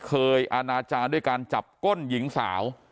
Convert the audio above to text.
อาณาจารย์ด้วยการจับก้นหญิงสาว